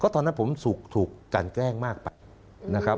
ตอนนั้นผมถูกกันแกล้งมากไปนะครับ